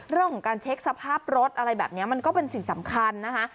เรื่องของการเช็คสภาพรถอะไรแบบนี้มันก็เป็นสิ่งสำคัญนะคะ